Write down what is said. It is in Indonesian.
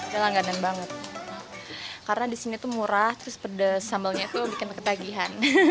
melangganan banget karena di sini tuh murah pedes sambalnya tuh bikin ketagihan